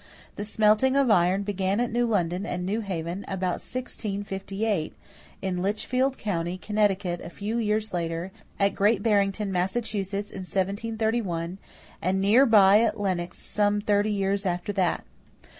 The smelting of iron began at New London and New Haven about 1658; in Litchfield county, Connecticut, a few years later; at Great Barrington, Massachusetts, in 1731; and near by at Lenox some thirty years after that.